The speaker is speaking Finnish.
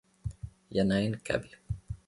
Ja näin kävi.